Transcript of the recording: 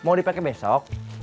kau mau dikejepan besok